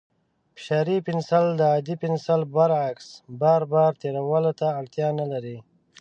فشاري پنسل د عادي پنسل برعکس، بار بار تېرولو ته اړتیا نه لري.